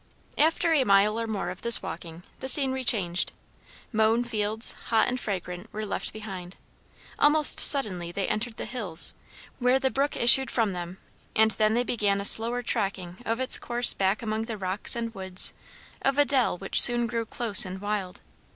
After a mile or more of this walking, the scenery changed. Mown fields, hot and fragrant, were left behind; almost suddenly they entered the hills, where the brook issued from them; and then they began a slower tracking of its course back among the rocks and woods of a dell which soon grew close and wild.